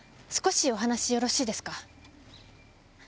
少しお話よろしいですか？